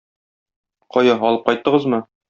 Кая, алып кайттыгызмы?